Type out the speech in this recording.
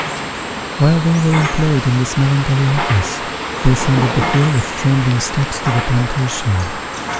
While they were employed in this melancholy office, we ascended the hill with trembling steps to the plantation.